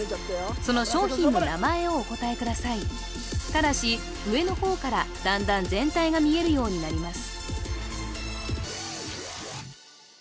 その商品の名前をお答えくださいただし上の方からだんだん全体が見えるようになります